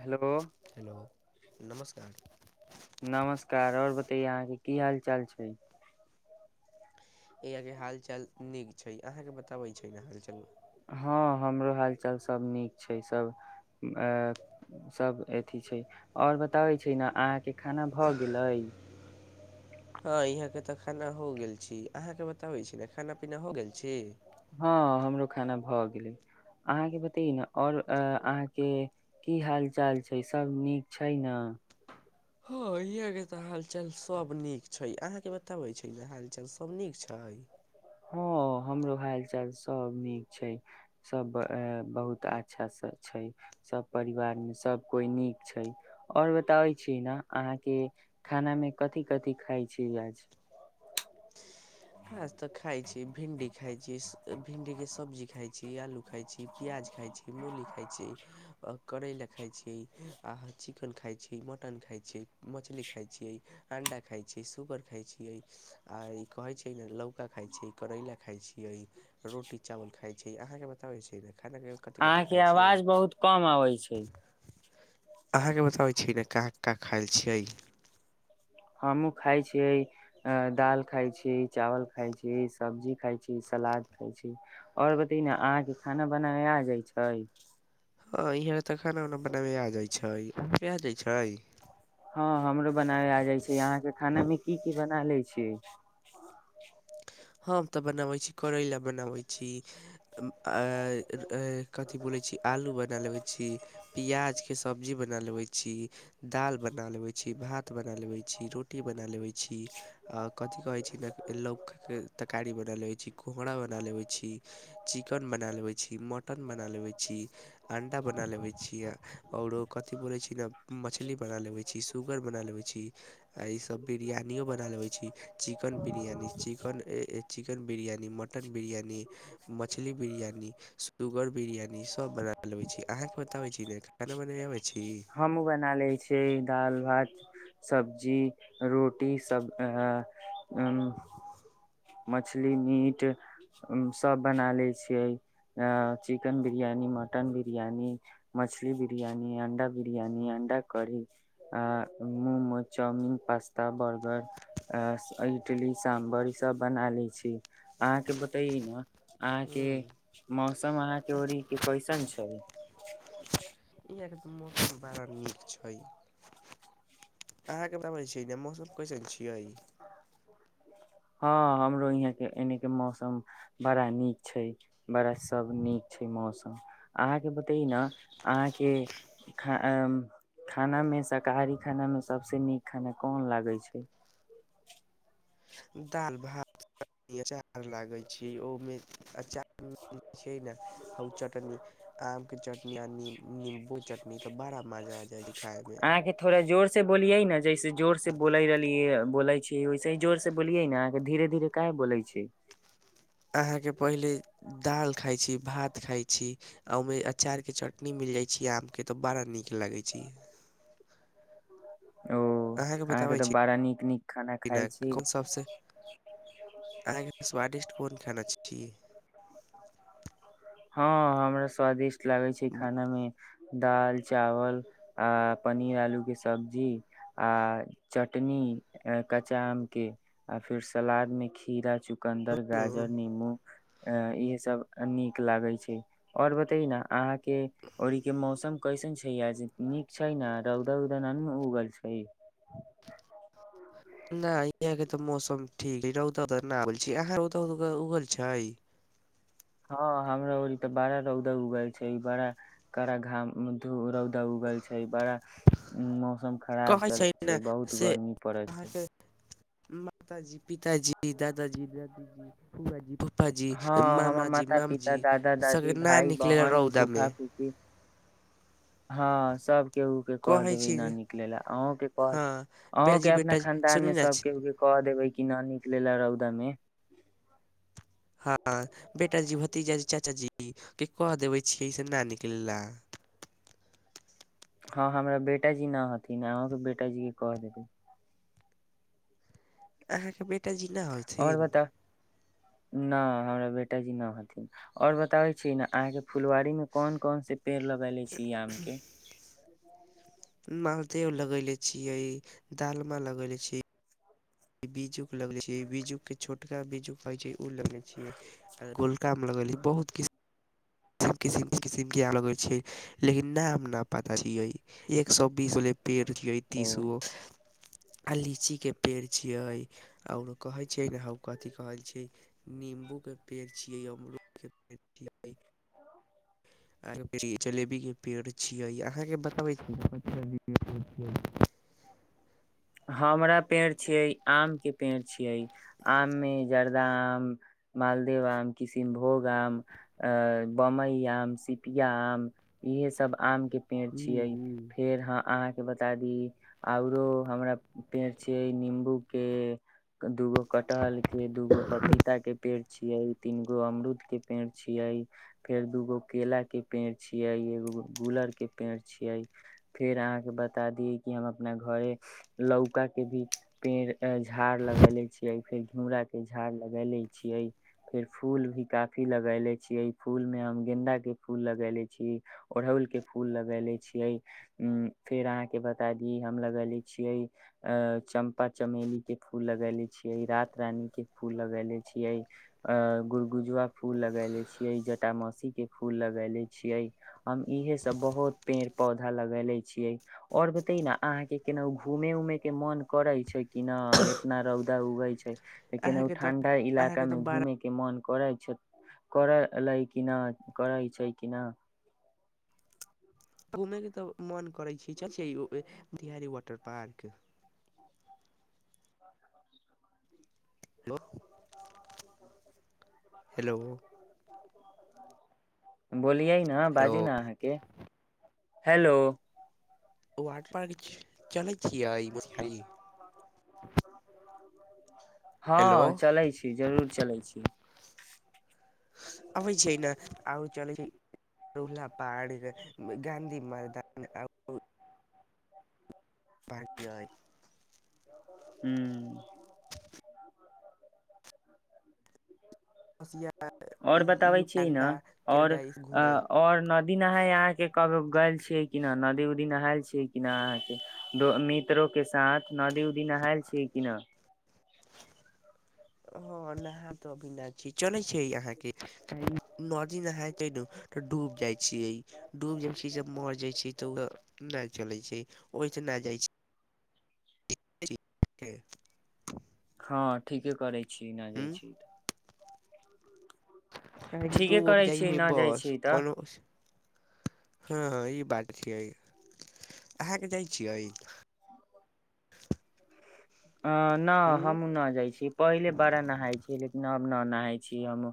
Hello, hello नमस्कार नमस्कार! आओर बताइए अहाँके की हाल। चल छैय यह के हाल चाल नीक छैय, अहाँके बताबै छैय ने हाल चाल। हँ हमरो हालचाल सभ नीक छैय सभ अ सभ अथी छैय आओर बताबै छैय न अहाँके खाना भऽ गेलय। हँ यहाँके तऽ खाना हो गेल छी अहाँके बताबै छी ने खाना पीना हो गेल छी। हँ हमरो खाना भऽ गेलै अहाँके बतैए न आओर अहाँके की हाल चाल छैय सब नीक छैय न। हँ ईहा के, तऽ हालचाल सब नीक छैय, अहाँके बताबै छैये न, हालचाल सब नीक छैय। हँ हमरो हाल- चाल सब नीक छैय, सब बहुत अच्छाँ छैय, सभ परिवार मे सब कोइ नीक छैय, आओर बताबै छय न, अहाँके खाना मे कथि -कथि खाइ छी आज। आज तऽ खाइ छी भिंडी छियालु खााय छी, पीयाज खाइ छी, मूली खाइ छी। करैला खाइत छियई, आहाँ चिकन खाइत छियई, मटन खाइत छियई, मछली खाइत छियई, अंडा खाइत छियई, सुगर खाइत छियई, आ ई कहैत छैय लौका खाइ छैय, करैला खााय छियै, रोटी -चावल खाइ छैय, अहाँ के बताबै छैय न। अहाँके आवाज बहुत कम आबै छैय। अहाँके बताबै छी, न काँ, काँ खायल छियै। हमहूँ खाइत छियै, दालि खाइत छी, चावल खाइत छी, सब्जी खाइत छी, सलाद खाइत छी, आओर बतै ने, अहाँके खाना बनाय आ जाइत छै? हँ इहाँ तऽ खाना उना बनाबे आ जाइत छै, आ जाय छै। हँ हमरो बनाव आ जाय छै, यहाँ के खाना में की -की बन खा लेै छै। हम तऽ बनाबैत छी, करैला बनाबैत छी। अ अइ कथी बोलैत छी, आलू बना लेबै छी, प्याजके सब्जी बना लेबै छी, दालि बना लेबै छी, भात बना लेबै छी, रोटी बना लेबै छी, आ कथी कहैत छी ने लौ तरकारी बना लेबैत छी, कोहरा बना लेबैत छी, चिकन बना लेबै छी। मटन बना लेबै छी, अण्डा बना लेबै छी, आओरो कथी बोलै छी ने, मछली बना लेबै छी, सुगर बना लेबै छी, आ ईसब बिरयानियो बना लेबै छी, चिकन बिरयानी। चिकन अ ए चिकन बिरियानी। मटन बिरियानी, मछली बिरियानी, सुगर बिरियानी, सब बना लेबै छी, अहाँके बताबै छी ने, खाना बनाबै आवे छी। हमहूँ बना लै छियै दालि भात सब्जी रोटी सब मछली मीट। सभ बना लै छियै, चिकेन बिरियानी, मटन बिरियानी, मछली बिरियानी, अण्डा बिरियानी, अण्डा करी, आ momos, chowmein, pasta, burger, idli, sambar, ईसभ बना लै छीय। अहाँ के बताइए न। अहाँके ह्म मौ मौसम अहाँके र के कैसन छल। इ मौसम बड़ा नीक छै, अहाँके बताबै [unintelligible] छी ने मौसम कैसन छियै हँ हमरो यहाँके एनके मौसम बड़ा नीक छै, बड़ा सभ नीक छै मौसम, अहाँके बतै ने, अहाँके खा खानामे, शाकाहारी खानामे सभसँ नीक खाना कोन लागै छै? दालि -भात अचार लागै छी, ओहिमेार अचार [unintelligible] छै ने हउ चटनी आम के चटनी, आ निम्बू चटनी, तऽ बड़ा मजा आ जाइ छै खाय मे। अहाँके थोड़ा जोर से बोलियै न वैसेी जोर से बोलियै ने, अहाँ धीरे धीरे क बोलै छै। अहाँके पहिले दालि खाइत छी भात खाइत छी आ ओहिमे अचारके चटनी मिल जाइत छै आमके तऽ बड़ा नीक लगैत छै। ओ अहाँके बताबै तऽ बड़ा नीक नीक खाना खाइ छी छीन सबसँ अहाँके स्वादिष्ट कोन खाना [unintelligible] हँ हमरा स्वादिष्ट लागै छै खाना मे दाल -चावल, आ पनीर आलू के सब्ज जी आ चटनी, कच्चा आम के, आ फिर सलाद में खीरा चु चुकन्दर, बोलू गाजर, नीमू अ इहे सब नीक लागे छै और बते न अहाँ के और के मौसम कैसन छै आ नीक छै ने रौदा उदा ओ गल छै। न यह के तऽ मौसम ठीक रौ अहा रौ उगल छै। हँ हमरा ओ ते बड़ा रौदा उगल छै ई बड़ा कड़ा घाम रौदा उगल छै। बड़ा मौसम खराब कहै चलैत ने छै बहुत से गर्मी पड़ैत छै। अहाँके माताजी पिताजी दादाजी दादीजी फूआ जी हँ हमर माता पिता दादा सगे दादी ना भाय निकलेला बहन रौदा मे फूफा फूफी हँ सब केू के क कहै देबै छी ना निकला अहूँं के कह हँ अहूँं के बेटाजी अपना बेटाजी खानदान सुनी मे न सब केहू के क देबै कि न निकला रौदा मे। बेटा जी भतीजाजी चाच जी के क देवे छियै इस न निकललाा। हँ हमरा बेटााजी नहि हथिन अहके बेटााजी के कह देबै अ एकटा जना होथि नहि हमरा बेटा जी नहि हथिन आओर बताबै छी ने अहाँके फुलवाारी में कोन कोन से पेड़ लगेले छी आम के मालदेव लगैले छीियै दालमा लगैले छीिय ई बीजु लग छै बीजुग के छोट टका बीजू पैइ छै ल लगने छियै आ गोलका मे लगल बहुत किु सब किसिम किसिम के आल छै लेकिन नाम न पता छै य एक सए बीसे पेड़ छै तीसो ओ आ लीचीके पेड़ छियै आओर कहैत छैिय ने हम कथिी कहैत छै निम्बूके पेड़ छियै अमरूदके पेड़ छियै जलेबीके पेड़ छियै अहाँके बताबै छी [unintelligible] हमरा पेड़ छियै आम के पेड़ छियै आममे जर्दा आम मालदेव आम किशनभोग आम बम्बई आम, सिपिया आम इहे सब आम के पेड़ छियै फेर ह अह बता दी आऔरो हमरा पेड़ छ नंबू के दूगो कटहल के दूगो पपीता के पेड़ छिय तीन गो अमरूद के पेड़ छियै। फेर दूगो केला के पेड़ छियै, एगोो गुलर के पेड़ छियै, फेर अहाँके बता दिय कि हम अपना घरे लौका के भी पेड़ झाड़ लगेले छियै, फेर घिउरा के झाड़ लगेले छियै, फेर फूल भी काफी लगेले छियै। फूलमे हम गेन्दाके फूल लगैले छी, ओड़हुलके फूल लगैेले छियै, फेर अहाँके बता दी हम लगैले छियै, चम्पा चमेलीके फूल लगैले छियै, रात रानीके फूल लगैले छियै, गुड़गुजुआ फूल लगैले छियै। जटाामासी के फूल लगेले छीिये हम इहे सब बहुत पेड़ पौधा लगेले छीये और बते न अहा के केना घूमे उमे के मन करे छै कि न एतना रौदा उगे छै। तऽ केना ओ अहाँके तऽ ठंडा इलाका अहाँके तऽ मे बड़ा घूमे के मन। को छै को एलै कि नहि करै छै किना घूमयके तऽ मोन करै छै चल छै ई Bihari water park. Hello. Hello. बोलिए ने हेलो बाजू ने अहाँके हेलो। वाटर पार्क चलै छियै ई मोशी हँ चलैत छी जरूर चलैत छी अबै छै ने आर चलै छै रोला पड़ गाँधी मै मैदान आ बकिइ। हू। [unintelligible] आओर बताबै छियै ने कनडा आओर केनेडा घूमे आओर न दी नहााय अहाँ के कभ गेल छियै कि न नदी उदी नहायल छियै कि न अहाँ के मित्रोके साथ नदी उदी नहाायल छी कि नहि ह नहा तो अभी न छै चले छै अहाँ के नदी नहाते ने डूब जाय छिय डब जेय छै जब मर जाय छै त उ लाग चले छै। ओहिसँ नहि जाइ छै। के [unintelligible] हँ ठीके करै छै छी नहि जाइ छी तऽ ठीके ूब करै छियै न जाइ बस छी तऽ कोनो हँ ई बात देखियै अहाँके जाइत छियै अ न उँ हमूँ न जाइ छी पहिले बारा नहााय छीियै लेकिन न नहाै छी हम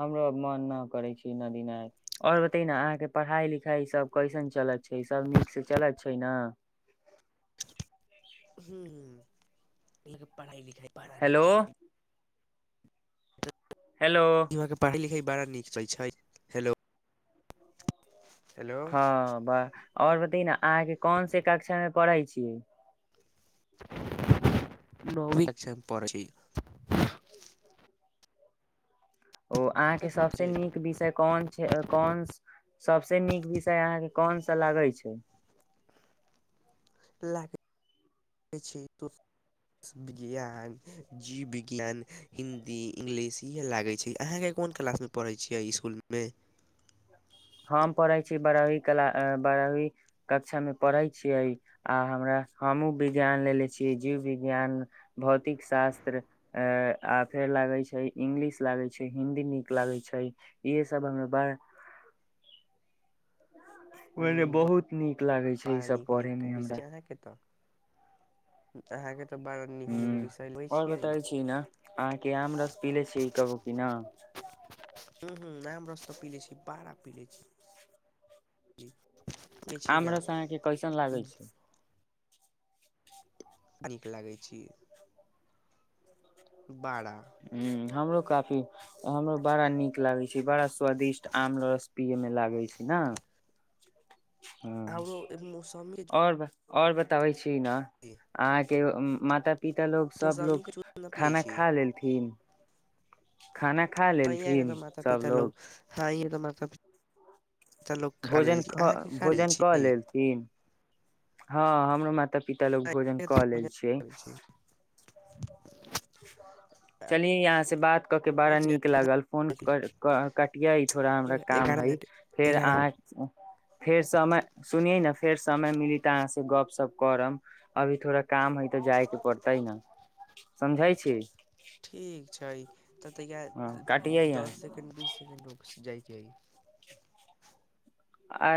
हमरो मन न करै छी नदी न आओर बतै न अहाँके पढ़ाइ लिखाइ सब कैसन चलत छै सब नीक से चलत छै ने। हू ह। ल पढ़ाइ लिखाइ बड़ न हेलो चल हेलो यहाँ पढ़इ लिखइ बड़ा नीक चल छै हेलो। हेलो हँ बाह आओर अहाँके कोन से कक्षा मे पढ़ै छीियै। नवीस प ओ अहाँके सबसे छी नीक विषय कोन छै कोन सबसे नीक विषय अहाँके। कोन सा लागै छै लागैै छै त विज्ञान जीव विज्ञान हिन्दी इंग्लिश इएह लागै छै अहाँके कोन क्लासमे पढ़ै छियै इसकुलमे हम पढ़ै छीियै बारहावी कला बारहावी कक्षामे पढ़ै छियै आ हमरा हमहूँ विज्ञान लेे छियै जीव विज्ञान। भौतिक शास्त्र आ फेर लागै छै इंग्लिश लागै छै हिंन्दी नीक लागै छै इएहसभ हमे बड़। ओझल हूँ, बहुत नीक लागैत छै ईसभ पढ़यमे हमरा अहके ह आओर बतै छी ने अहाँके आम रस पी ले छी कहू की न। ह ह ह नाम रस तऽ पीले छी बारा पीले छी पियै छी आम ने रस अहाँके कैसन लागै छै नीक लागै छी। बारा। ह हमरो काफी हमरो बड़ा निक लागे छै। बड़ा स्वादिष्ट आम रस। पियए मे लागै छै ने। ह आरो मौसमी के आओर आओर बताबै छी ना जूस, आ के माता पीित लोग सब मौसमी लोग के जूस न पियै खाना छी खा लेलथि। खाना खा लेलथिन सभलोग। म भोजन भोजन कऽ लेलथिन हँ हम हम मात। ल भोजन क लेल छै छी चल यहााँ से बात कर के बड़ा एगारह नीक लागल फोन किय थोड़ा हमरा काम ह मिनट एगारह फेरह। फेर समय सुनियै ने फेर समय मिली तऽ अहाँसँ गप सप करब अभी थोड़ा काम हइ तऽ जायके पड़तै ने समझाय छी। ठीक छै तऽ ह त काटिये अहाँ दस सेकेंड बीस सेकेंड जाइकेी। आ